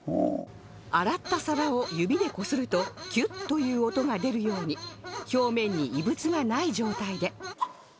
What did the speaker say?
洗った皿を指でこすると「キュッ」という音が出るように表面に異物がない状態で